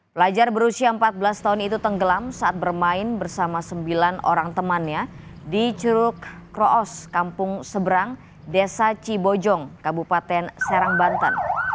pelajar berusia empat belas tahun itu tenggelam saat bermain bersama sembilan orang temannya di curug kroos kampung seberang desa cibojong kabupaten serang banten